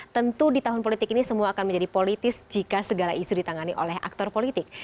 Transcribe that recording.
tentu di tahun politik ini semua akan menjadi politis jika segala isu ditangani oleh aktor politik